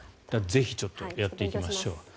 ぜひやっていきましょう。